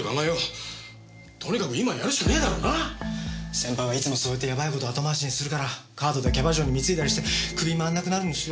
先輩はいつもそうやってやばい事後回しにするからカードでキャバ嬢に貢いだりして首回んなくなるんですよ？